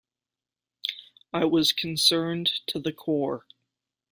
I was concerned to the core.